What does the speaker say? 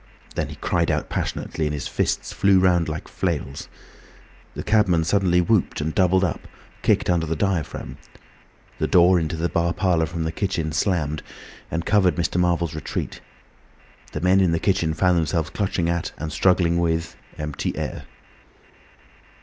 Then he cried out passionately and his fists flew round like flails. The cabman suddenly whooped and doubled up, kicked under the diaphragm. The door into the bar parlour from the kitchen slammed and covered Mr. Marvel's retreat. The men in the kitchen found themselves clutching at and struggling with empty air.